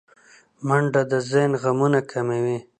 منډه د ذهن غمونه کموي